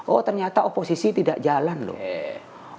oh ternyata oposisi tidak jalan loh